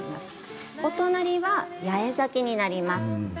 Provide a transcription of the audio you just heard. お隣は八重咲きになります。